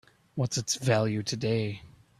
What's its value today?